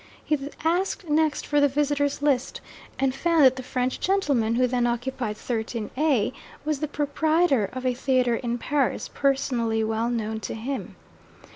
He asked next for the Visitors' List; and found that the French gentleman who then occupied '13 A,' was the proprietor of a theatre in Paris, personally well known to him.